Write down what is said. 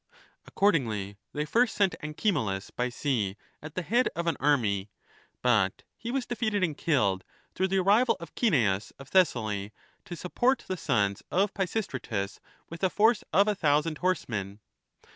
1 Accordingly they first sent Anchimolus by sea at the head of an army ; but he was defeated and killed, through the arri val of Cineas of Thessaly to support the sons of Pisistratus with a force of a thousand horsemen.